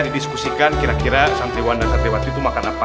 didiskusikan kira kira santriwan dan santriwati itu makan apa